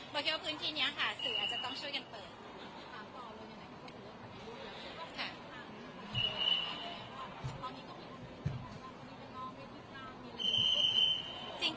และในพื้นที่นี้ค่ะสื่ออาจจะต้องช่วยกันเปิด